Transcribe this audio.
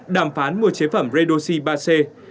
đàm phán mua chế phẩm redoxy ba c